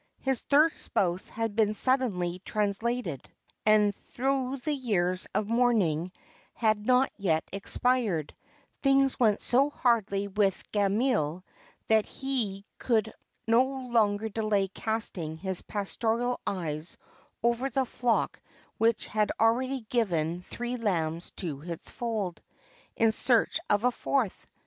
His third spouse had been suddenly translated, and though the years of mourning had not yet expired, things went so hardly with Gamaliel, that he could no longer delay casting his pastoral eyes over the flock which had already given three lambs to his fold, in search of a fourth.